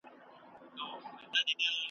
نه یې ژبه له غیبته ستړې کیږي `